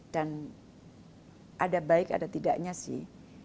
dan ada baik ada tidaknya sih